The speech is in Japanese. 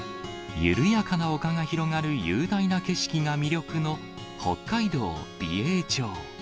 緩やかな丘が広がる雄大な景色が魅力の北海道美瑛町。